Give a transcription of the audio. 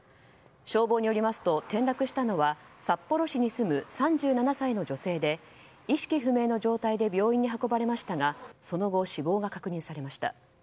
消防によりますと転落したのは札幌市に住む３７歳の女性で意識不明の状態で病院に運ばれましたがその後、死亡が確認されました。